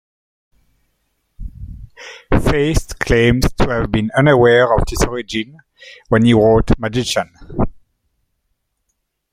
Feist claims to have been unaware of this origin when he wrote "Magician".